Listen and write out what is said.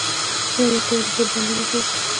زما ملګري د فوټبال لوبه کوي